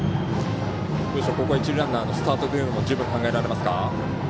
ここは一塁ランナーのスタート十分、考えられますか？